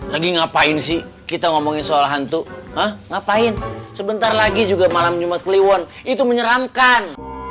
lagi ngapain sih kita ngomongin soal hantu ah ngapain sebentar lagi juga malam jumat kliwon itu menyeramkan